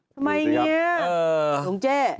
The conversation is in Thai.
ทำไมอย่างเงี้ยหลวงเจ้า